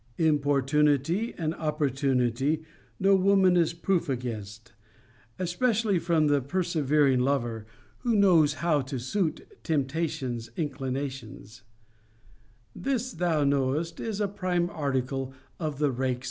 'Importunity and opportunity no woman is proof against, especially from the persevering lover, who knows how to suit temptations to inclinations:' This, thou knowest, is a prime article of the rake's creed.